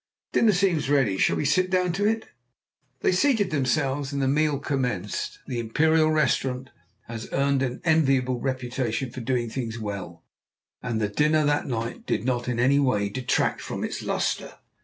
Dinner seems ready; shall we sit down to it?" They seated themselves, and the meal commenced. The Imperial Restaurant has earned an enviable reputation for doing things well, and the dinner that night did not in any way detract from its lustre.